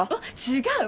違う。